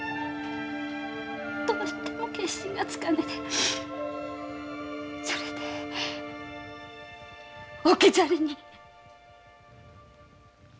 どうしても決心がつかねでそれで置き去りに。